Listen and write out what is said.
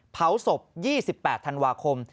เผาศพ๒๘ธันวาคม